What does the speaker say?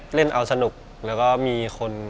พอเข้าไปอยู่ในวงการนี้ตีปี